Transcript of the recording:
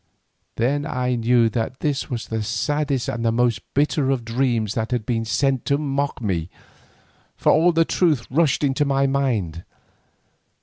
Then I knew that this was the saddest and the most bitter of dreams that had been sent to mock me, for all the truth rushed into my mind.